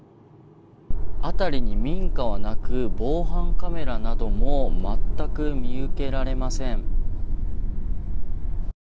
辺りに民家はなく防犯カメラなども全く見受けられません。